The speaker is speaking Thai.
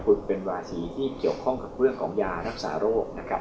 คุณเป็นราศีที่เกี่ยวข้องกับเรื่องของยารักษาโรคนะครับ